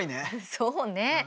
そうね。